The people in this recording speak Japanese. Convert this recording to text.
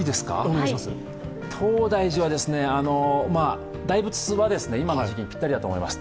東大寺は、大仏は今の時期にぴったりだと思います。